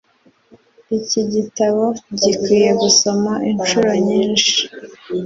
Iki gitabo gikwiye gusoma inshuro nyinshi.